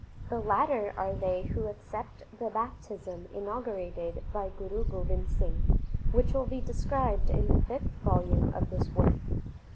The latter are they who accept the baptism in augurated by Guru Gobind Singh, which will be described in the fifth volume of this work.